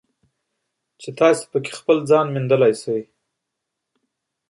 چې تاسو پکې خپل ځان موندلی شئ.